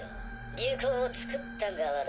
流行をつくった側だ。